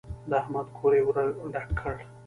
د احمد کور يې ور ډاک کړ.